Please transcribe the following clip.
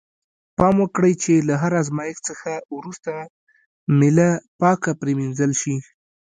پام وکړئ چې له هر آزمایښت څخه وروسته میله پاکه پرېمینځل شي.